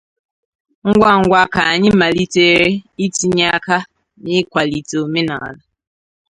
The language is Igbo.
ngwa ngwa ka anyị malitere itinye aka n'ịkwalite omenala